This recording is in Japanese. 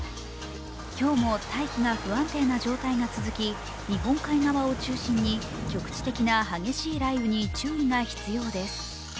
今日も大気が不安定な状態が続き日本海側を中心に局地的な激しい雷雨に注意が必要です。